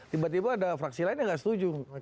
tiba tiba ada fraksi lainnya nggak setuju